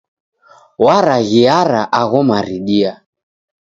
Waraghiara agho maridia.